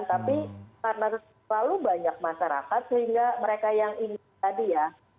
tapi karena terlalu banyak masyarakat sehingga mereka yang ingin tadi ya